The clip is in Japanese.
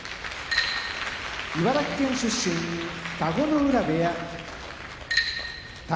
茨城県出身田子ノ浦部屋宝